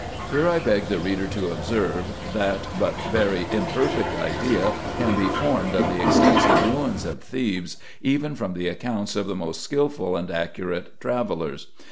Here I beg the reader to observe, that but very imperfect ideas can be formed of the extensive ruins of Thebes, even from the accounts of the most skilful and accurate travellers.